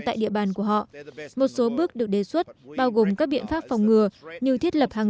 tại địa bàn của họ một số bước được đề xuất bao gồm các biện pháp phòng ngừa như thiết lập hàng